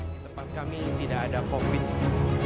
di tempat kami tidak ada covid sembilan belas